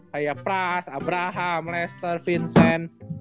kayak pras abraham lester vincent